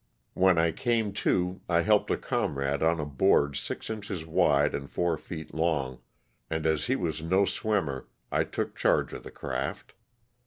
When I came to I helped a comrade on a board six inches wide and four feet long, and as he was no swimmer I took charge of the craft.